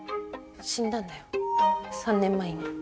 死んだんだよ３年前に。